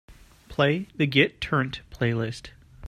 Play the Get Turnt playlist.